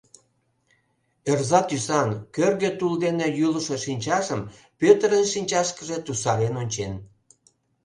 Ӧрза тӱсан, кӧргӧ тул дене йӱлышӧ шинчажым Пӧтырын шинчашкыже тусарен ончен.